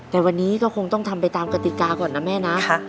แต่วันนี้ก็คงต้องทำไปตามกติกาก่อนนะแม่นะ